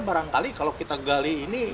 barangkali kalau kita gali ini